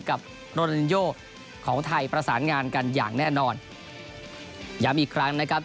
โรนานินโยของไทยประสานงานกันอย่างแน่นอนย้ำอีกครั้งนะครับ